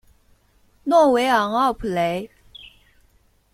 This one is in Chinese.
诺维昂奥普雷。